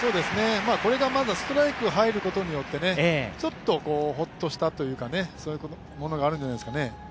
これがまだストライクが入ることによってちょっとほっとしたというか、そういうものがあるんじゃないですかね。